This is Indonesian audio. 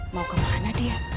mau kemana dia